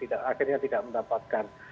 akhirnya tidak mendapatkan